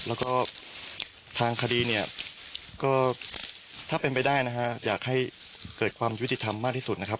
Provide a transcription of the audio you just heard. แล้วก็ทางคดีเนี่ยก็ถ้าเป็นไปได้นะฮะอยากให้เกิดความยุติธรรมมากที่สุดนะครับ